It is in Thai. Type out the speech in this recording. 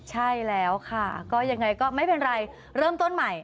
ใช่แล้วค่ะก็ยังไงก็ไม่เป็นไรเริ่มต้นใหม่